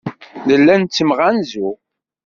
Nella nettemɣanzu.